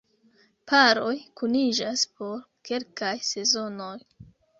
Paroj kuniĝas por kelkaj sezonoj.